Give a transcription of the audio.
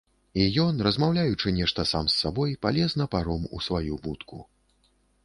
І ён, размаўляючы нешта сам з сабой, палез на паром, у сваю будку.